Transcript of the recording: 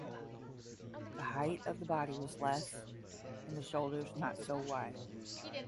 The height of the body was less, and the shoulders not so wide.